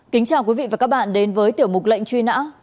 kính chào quý vị và các bạn đến với tiểu mục lệnh truy nã